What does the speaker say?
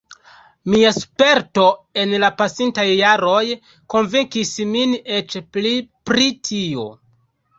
Mia sperto en la pasintaj jaroj konvinkis min eĉ pli pri tio.